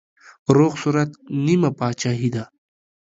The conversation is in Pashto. روغ صورت نيمه پاچاهي ده.